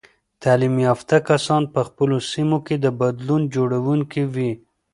تعلیم یافته کسان په خپلو سیمو کې د بدلون جوړونکي وي.